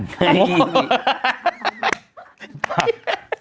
ขนธรรมเวน